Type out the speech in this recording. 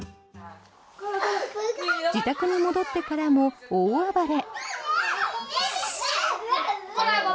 自宅に戻ってからも大暴れ。